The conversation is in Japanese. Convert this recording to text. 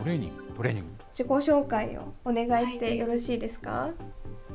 自己紹介をお願いしてよろしいですか。